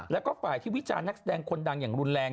แล้วก็ฝ่ายที่วิจารณ์นักแสดงคนดังอย่างรุนแรง